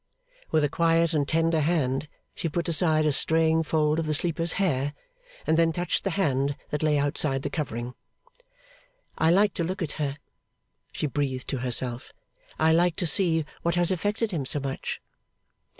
With a quiet and tender hand she put aside a straying fold of the sleeper's hair, and then touched the hand that lay outside the covering. 'I like to look at her,' she breathed to herself. 'I like to see what has affected him so much.